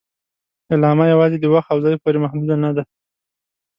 اعلامیه یواځې د وخت او ځای پورې محدود نه ده.